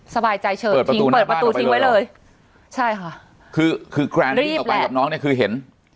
สบายใจเฉินเปิดประตูทิ้งไว้เลยใช่ค่ะคือกรานดี้ออกไปกับน้องเนี่ยคือเห็น